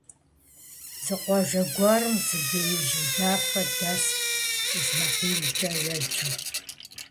Зы къуажэ гуэрым зы беижь удэфа дэст, ИсмэхьилкӀэ еджэу.